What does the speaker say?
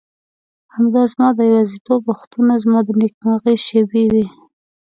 همدا زما د یوازیتوب وختونه زما د نېکمرغۍ شېبې وې.